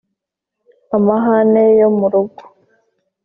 amahane yo mu rugo,